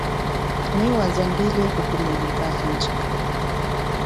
Nyi wazangile kukulemeka, handjika.